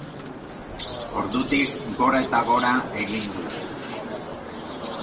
Ordutik gora eta gora egin du.